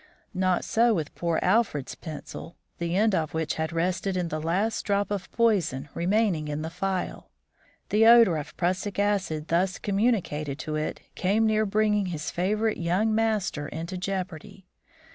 Not so with poor Alfred's pencil, the end of which had rested in the last drop of poison remaining in the phial. The odour of prussic acid thus communicated to it came near bringing his favourite young master into jeopardy.